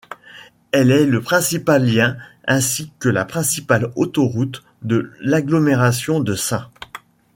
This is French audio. Elle est le principal lien ainsi que la principale autoroute de l'agglomération de St.